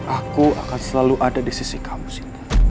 aku akan selalu ada di sisi kamu